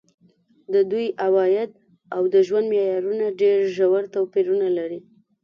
د دوی عواید او د ژوند معیارونه ډېر ژور توپیرونه لري.